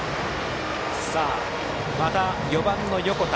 また４番の横田。